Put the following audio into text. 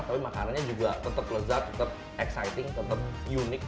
tapi makanannya juga tetap lezat tetap exciting tetap unik